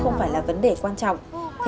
mẹ nhỏ nhà của chúng ta